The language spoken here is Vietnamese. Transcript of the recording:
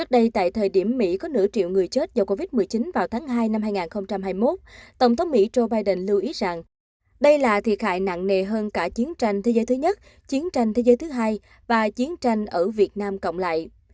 đây là thiệt hại nặng nề hơn cả chiến tranh thế giới thứ nhất chiến tranh thế giới thứ hai và chiến tranh ở việt nam cộng lại